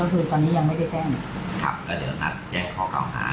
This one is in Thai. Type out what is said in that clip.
ก็คือตอนนี้ยังไม่ได้แจ้งครับก็เดี๋ยวนัดแจ้งข้อเก่าหา